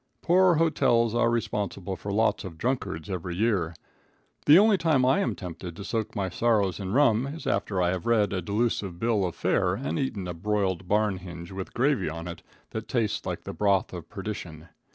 Poor hotels are responsible for lots of drunkards every year. The only time I am tempted to soak my sorrows in rum is after I have read a delusive bill of fare and eaten a broiled barn hinge with gravy on it that tasted like the broth of perdition.